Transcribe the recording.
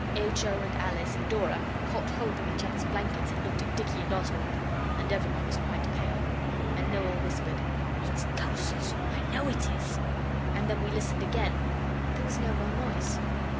H. O. and Alice and Dora caught hold of each other's blankets and looked at Dicky and Oswald, and every one was quite pale. And Noel whispered 'It's ghosts, I know it is' and then we listened again, but there was no more noise.